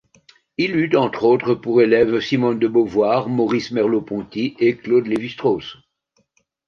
Il eut entre autres pour élève Simone de Beauvoir, Maurice Merleau-Ponty et Claude Lévi-Strauss.